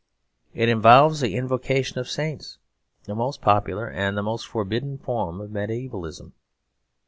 It involves the invocation of saints, the most popular and the most forbidden form of mediævalism.